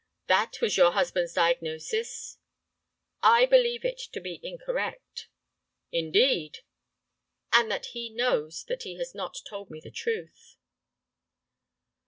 "That was your husband's diagnosis?" "I believe it to be incorrect." "Indeed!" "And that he knows that he has not told me the truth."